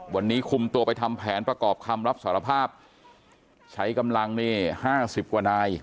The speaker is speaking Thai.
วันนี้คุมตัวไปทำแผนประกอบคำรับสารภาพใช้กำลังนี่ห้าสิบกว่านาย